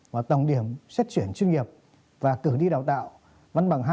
và tổng điểm xét chuyển chuyên nghiệp và cử đi đào tạo văn bằng hai